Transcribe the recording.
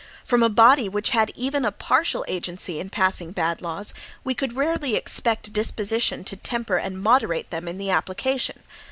From a body which had even a partial agency in passing bad laws, we could rarely expect a disposition to temper and moderate them in the application.